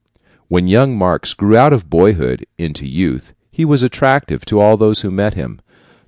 When young Marx grew out of boyhood into youth, he was attractive to all those who met him.